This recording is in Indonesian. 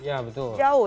ya betul jauh ya